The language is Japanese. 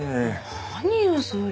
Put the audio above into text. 何よそれ。